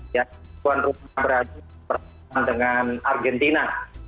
yang berada di peran dengan argentina